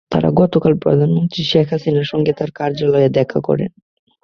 তাঁরা গতকাল প্রধানমন্ত্রী শেখ হাসিনার সঙ্গে তাঁর কার্যালয়ে দেখা করেন।